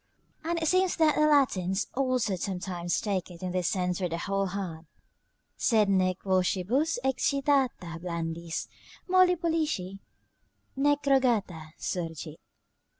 And it seems that the Latins also sometimes take it in this sense for the whole hand: "Sed nec vocibus excitata blandis, Molli pollici nec rogata, surgit."